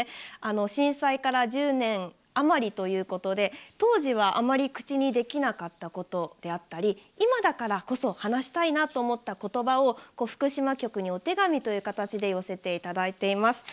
震災から１０年あまりということで当時はあまり口にできなかったことであったり今だからこそ話したいなと思った言葉を福島局にお手紙という形で寄せていただいております。